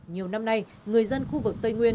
nhiều năm nay người dân khu vực tây nguyên